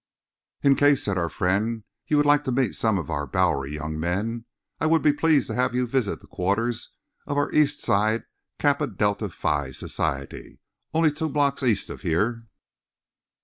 "In case," said our friend, "you would like to meet some of our Bowery young men I would be pleased to have you visit the quarters of our East Side Kappa Delta Phi Society, only two blocks east of here."